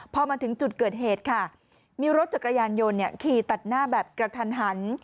พอมาถึงจุดเกิดเหตุค่ะมีรถจักรยานยนต์ขี่ตัดหน้าแบบกระทันหัน